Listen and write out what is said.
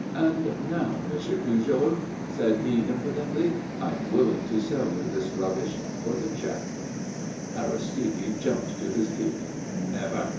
"And now, Monsieur Pujol," said he impudently, "I am willing to sell you this rubbish for the cheque." Aristide jumped to his feet. "Never!"